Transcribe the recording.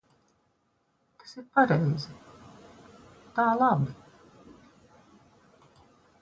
Tas ir pareizi. Tā labi.